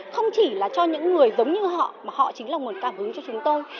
không chỉ là cho những người giống như họ mà họ chính là nguồn cảm hứng cho chúng tôi